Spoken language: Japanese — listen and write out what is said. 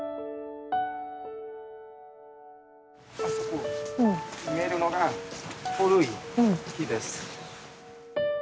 あそこ見えるのが古い木です。